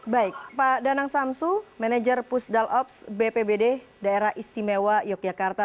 baik pak danang samsu manajer pusdal ops bpbd daerah istimewa yogyakarta